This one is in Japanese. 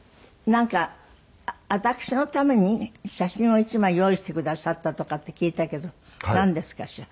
なんか私のために写真を１枚用意してくださったとかって聞いたけどなんですかしら？